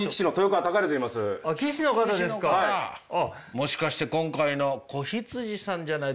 もしかして今回の子羊さんじゃないでしょうか？